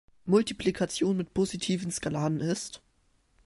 Multiplikation mit positiven Skalaren ist.